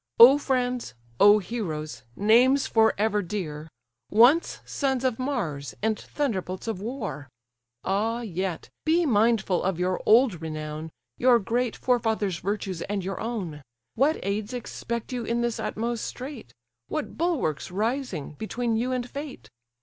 "O friends! O heroes! names for ever dear, Once sons of Mars, and thunderbolts of war! Ah! yet be mindful of your old renown, Your great forefathers' virtues and your own. What aids expect you in this utmost strait? What bulwarks rising between you and fate?